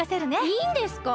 いいんですか？